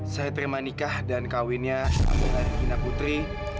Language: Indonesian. saya terima nikah dan kawinan kamila regina putri